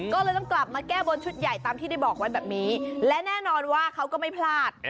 ก็เลยต้องกลับมาแก้บนชุดใหญ่ตามที่ได้บอกไว้แบบนี้และแน่นอนว่าเขาก็ไม่พลาด